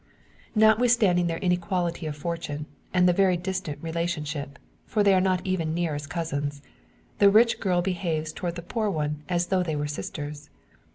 Notwithstanding their inequality of fortune, and the very distant relationship for they are not even near as cousins the rich girl behaves towards the poor one as though they were sisters.